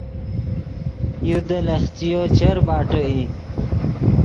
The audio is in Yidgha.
یو دے لخچیو چر باٹے ای